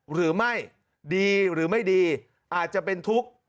หรือไม่ดีหรือไม่ดีอาจจะเป็นทุกข์